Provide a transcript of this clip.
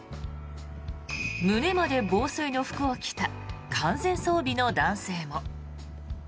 胸まで防水の服を着た完全装備の男性も。